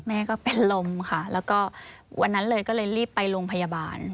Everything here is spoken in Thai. แม่ก็เป็นลมค่ะแล้วก็วันนั้นเลยก็เลยรีบไปโรงพยาบาล